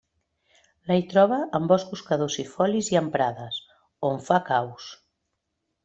La hi troba en boscos caducifolis i en prades, on fa caus.